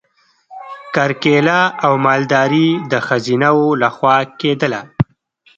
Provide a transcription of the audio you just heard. کرکیله او مالداري د ښځینه وو لخوا کیدله.